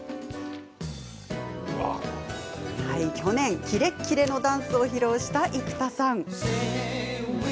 昨年、キレッキレのダンスを披露した生田さん。